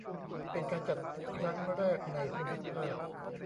เป็นการจัดครั้งแรกในภูมิภาค